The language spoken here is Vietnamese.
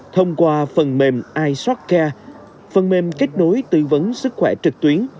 thông qua phần mềm ishopca phần mềm kết nối tư vấn sức khỏe trực tuyến